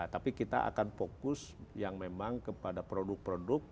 tapi kita akan fokus yang memang kepada produk produk